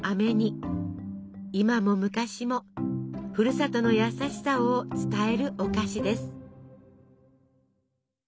今も昔もふるさとの優しさを伝えるお菓子です。